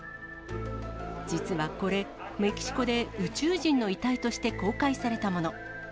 実はこれ、メキシコで宇宙人の遺体として公開されたもの。